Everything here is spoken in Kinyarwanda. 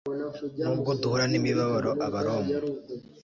nubwo duhura n imibabaro abaroma